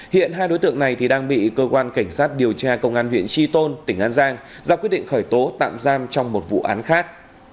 hiện hai đối tượng này đang bị cơ quan cảnh sát điều tra công an huyện tri tôn tỉnh an giang ra quyết định khởi tố tạm giam trong một vụ án khác